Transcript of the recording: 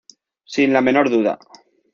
Sin la menor duda.